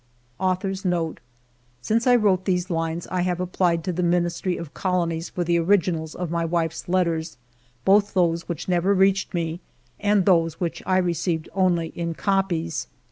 ^^ Since I wrote these lines I have applied to the Ministry of Colonies for the originals of my wife's letters, both those which never reached me, and those which I received only in copies.